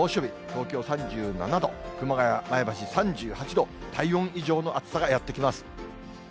東京３７度、熊谷、前橋３８度、体温以上の暑さがやって来ます。